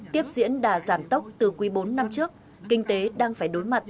tiếp diễn đà giảm tốc từ quý bốn năm trước kinh tế đang phải đối mặt